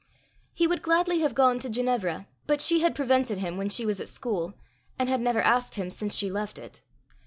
He would gladly have gone to Ginevra, but she had prevented him when she was at school, and had never asked him since she left it.